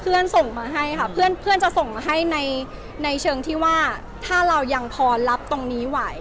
ส่งมาให้ค่ะเพื่อนจะส่งมาให้ในเชิงที่ว่าถ้าเรายังพอรับตรงนี้ไหว